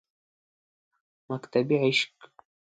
مکتبِ عشق